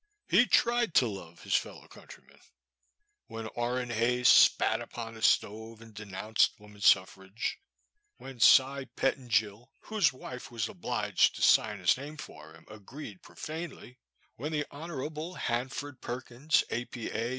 He tried to love his fellow countrymen. When Orrin Hayes spat upon the stove and denounced woman* s suffrage — when Cy Pettingil, whose wife was obliged to sign his name for him, agreed pro fanely — when the Hon. Hanford Perkins, A. P. A.